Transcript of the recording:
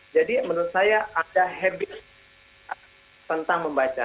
jadi menurut saya ada habit tentang membaca